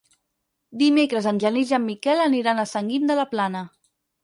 Dimecres en Genís i en Miquel aniran a Sant Guim de la Plana.